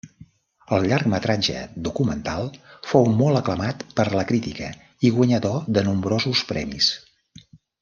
El llargmetratge documental fou molt aclamat per la crítica i guanyador de nombrosos premis.